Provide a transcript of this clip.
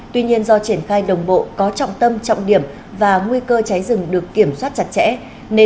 tuy nhiên do triển khai đồng bộ có trọng tâm trọng điểm và nguy cơ cháy rừng được kiểm soát chặt chẽ nên